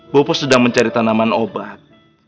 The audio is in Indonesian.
bopo sudah mencari tanaman obat